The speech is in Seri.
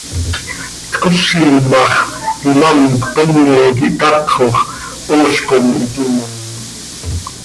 Tcozim ma x, imám cpene quih tatxo x, ool com iti moom.